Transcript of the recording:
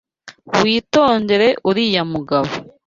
Witondere uriya mugabo.